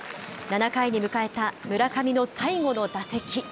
７回に迎えた村上の最後の打席。